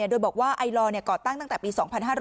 โดยบอกว่าไอลอร์ก่อตั้งตั้งแต่ปี๒๕๕๙